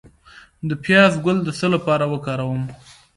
د پیاز ګل د څه لپاره وکاروم؟